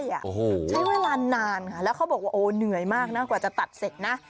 ใช้เวลานานค่ะแล้วเขาบอกว่าโอ้เหนื่อยมากนะกว่าจะตัดเสร็จนะ